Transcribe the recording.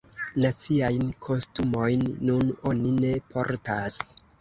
Naciajn kostumojn nun oni ne portas.